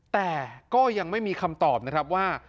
แต่ก็ยังไม่มีคำตอบนะครับว่า